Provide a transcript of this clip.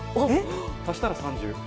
足したら３０。